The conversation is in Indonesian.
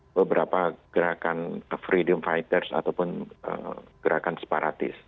beberapa gerakan freedom fighters ataupun gerakan separatis